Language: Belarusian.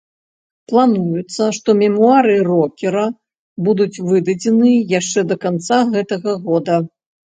Плануецца, што мемуары рокера будуць выдадзеныя яшчэ да канца гэтага года.